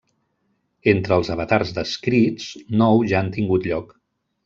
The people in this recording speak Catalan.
Entre els avatars descrits, nou ja han tingut lloc.